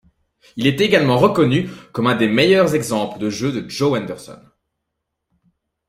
Il est également reconnu comme un des meilleurs exemples de jeu de Joe Henderson.